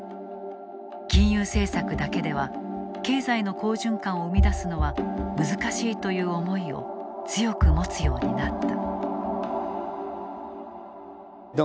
金融政策だけでは経済の好循環を生み出すのは難しいという思いを強く持つようになった。